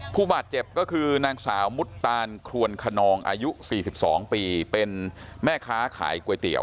ผู้บาดเจ็บก็คือนางสาวมุตตานครวนขนองอายุ๔๒ปีเป็นแม่ค้าขายก๋วยเตี๋ย